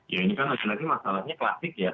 ya ini kan masalahnya klasik ya